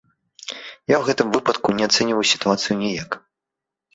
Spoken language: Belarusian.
Я ў гэтым выпадку не ацэньваю сітуацыю ніяк.